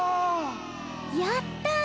やった！